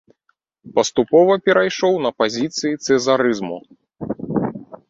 Паступова перайшоў на пазіцыі цэзарызму.